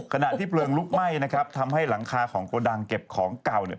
ขณะที่เพลิงลุกไหม้นะครับทำให้หลังคาของโกดังเก็บของเก่าเนี่ย